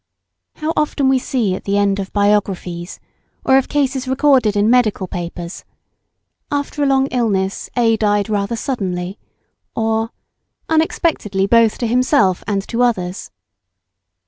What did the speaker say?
How often we see at the end of biographies or of cases recorded in medical papers, "after a long illness A. died rather suddenly," or, "unexpectedly both to himself and to others."